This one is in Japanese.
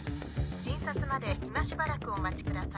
診察まで今しばらくお待ちください。